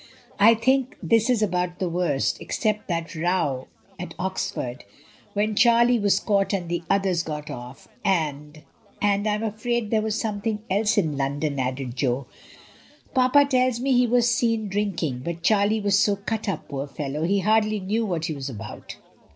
I think this is about the worst, except that row at Oxford, when Charlie was caught and the others got off; and — and I'm afraid there was something else in London," added Jo. "Papa tells me he was seen drinking, but Charlie was so cut up, poor fellow, he hardly knew what he was about."